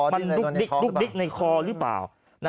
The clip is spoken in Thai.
มันดุ๊กดิ๊กในคอหรือเปล่า